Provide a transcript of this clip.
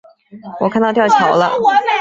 我看到吊桥了